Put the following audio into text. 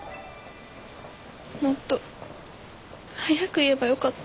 もっと早く言えばよかった。